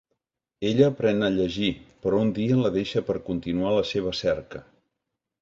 Ella aprèn a llegir, però un dia la deixa per continuar la seva cerca.